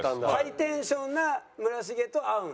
ハイテンションな村重と合うんだ？